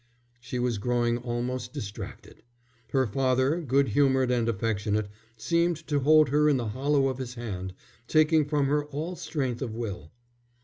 She was growing almost distracted. Her father, good humoured and affectionate, seemed to hold her in the hollow of his hand, taking from her all strength of will.